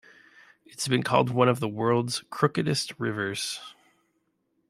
It has been called one of the world's crookedest rivers.